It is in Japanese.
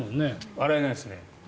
洗えないですね。